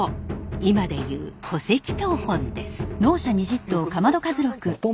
今で言う戸籍謄本です。